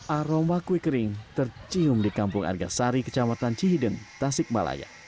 aroma kue kering tercium di kampung argasari kecamatan cihideng tasikmalaya